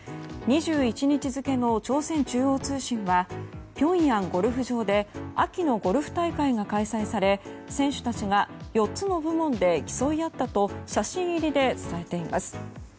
２１日付の朝鮮中央通信はピョンヤンゴルフ場で秋のゴルフ大会が開催され選手たちが４つの部門で競い合ったと写真入りで伝えています。